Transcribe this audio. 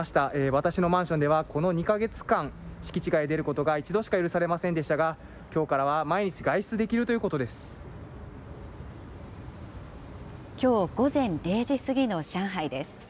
私のマンションでは、この２か月間、敷地外に出ることが一度しか許されませんでしたが、きょうからはきょう午前０時過ぎの上海です。